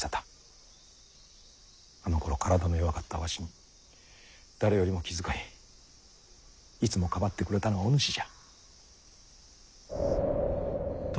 あのころ体の弱かったわしを誰よりも気遣いいつもかばってくれたのはお主じゃ。